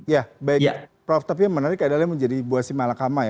ya baik prof tapi yang menarik adalah menjadi buah si malakama ya